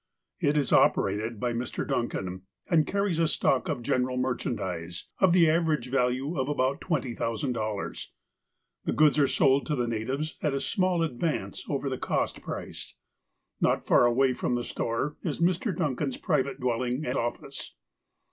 It is op erated by Mr. Duncan, and carries a stock of general merchandise, of the average value of about $20,000. The goods are sold to the natives at a small ad vance over the cost price. Not far away from the store is Mr. Duncan's private dwelling and ofSce.